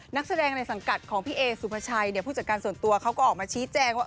นักแสดงในสังกัดของพี่เอสุภาชัยเนี่ยผู้จัดการส่วนตัวเขาก็ออกมาชี้แจงว่า